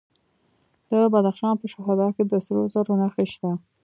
د بدخشان په شهدا کې د سرو زرو نښې شته.